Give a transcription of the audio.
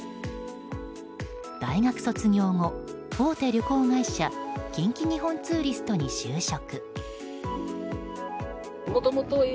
大学卒業後、大手旅行会社近畿日本ツーリストに就職。